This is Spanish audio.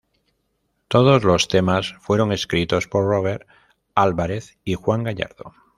Todos los temas fueron escritos por Robert Álvarez y Juan Gallardo.